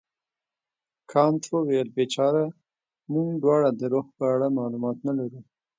کانت وویل بیچاره موږ دواړه د روح په اړه معلومات نه لرو.